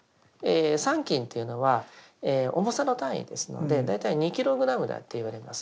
三斤というのは重さの単位ですので大体２ｋｇだといわれます。